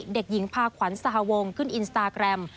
เด็กหญิงพาขวัญสหวงขึ้นอินสตาแกรม